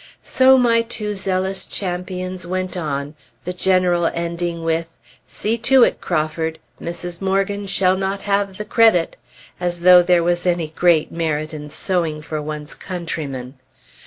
So my two zealous champions went on, the General ending with "See to it, Crawford; Mrs. Morgan shall not have the credit!" as though there was any great merit in sewing for one's countrymen!